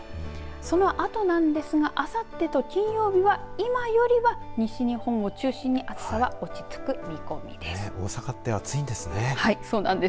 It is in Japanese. そのあとなんですがあさってと金曜日は今よりは、西日本を中心に暑さは落ち着く見込みです。